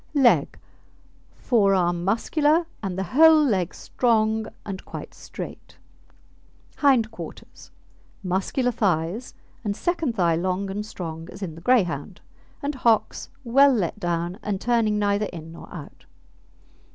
Leg Forearm muscular and the whole leg strong and quite straight. HIND QUARTERS Muscular thighs, and second thigh long and strong as in the Greyhound, and hocks well let down and turning neither in nor out.